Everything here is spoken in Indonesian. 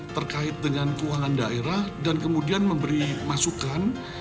terkait dengan keuangan daerah dan kemudian memberi masukan